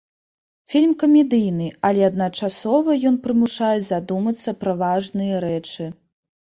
Фільм камедыйны, але адначасова ён прымушае задумацца пра важныя рэчы.